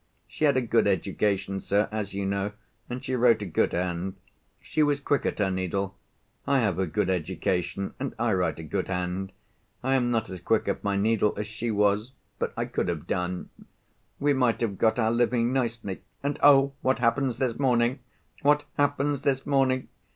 She had a good education, sir, as you know, and she wrote a good hand. She was quick at her needle. I have a good education, and I write a good hand. I am not as quick at my needle as she was—but I could have done. We might have got our living nicely. And, oh! what happens this morning? what happens this morning?